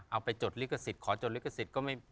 เอาไปจดลิขสิทธิ์ขอจดลิขสิทธิ์ก็ไม่